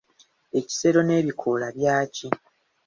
Ekisero n'ebikoola byaki?